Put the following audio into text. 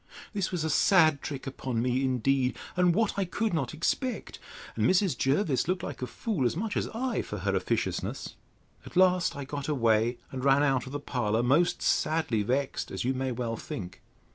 This was a sad trick upon me, indeed, and what I could not expect; and Mrs. Jervis looked like a fool as much as I, for her officiousness.—At last I got away, and ran out of the parlour, most sadly vexed, as you may well think.